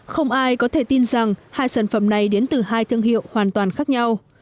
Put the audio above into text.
không ai có thể tin rằng hai sản phẩm này đến từ hai thương hiệu hoàn toàn khác nhau